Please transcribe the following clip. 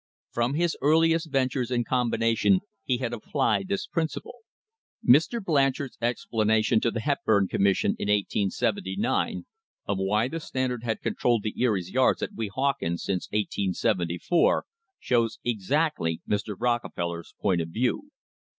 From his earliest ventures in combination he had applied this principle. Mr. Blanchard's explanation to the Hepburn Com mission in 1879 of why the Standard had controlled the Erie's yards at Weehawken since 1874, shows exactly Mr. Rocke feller's point of view.